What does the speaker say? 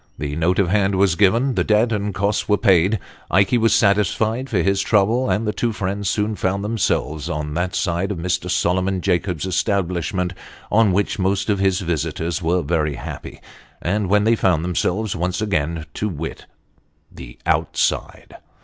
The note of hand was given the debt and costs were paid Ikey was satisfied for his trouble, and the two friends soon found themselves on that side of Mr. Solomon Jacobs's establishment, on which most of his visitors were very happy when they found themselves once again to wit, the on/side.